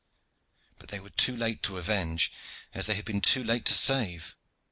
But they were too late to avenge, as they had been too late to save.